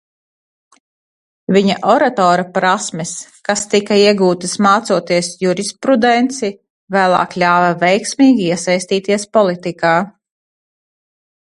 Viņa oratora prasmes, kas tika iegūtas mācoties jurisprudenci, vēlāk ļāva veiksmīgi iesaistīties politikā.